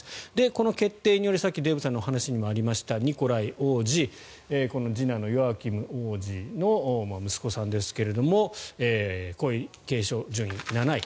この決定により、さっきデーブさんのお話にもありましたニコライ王子この次男のヨアキム王子の息子さんですが王位継承順位７位。